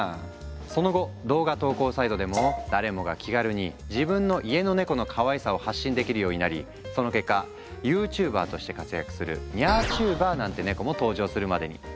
その後動画投稿サイトでも誰もが気軽に自分の家のネコのかわいさを発信できるようになりその結果ユーチューバーとして活躍する「ニャーチューバー」なんてネコも登場するまでに。